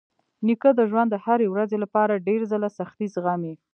نیکه د ژوند د هرې ورځې لپاره ډېر ځله سختۍ زغمي.